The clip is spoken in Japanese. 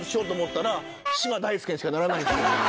嶋大輔にしかならないんですよ。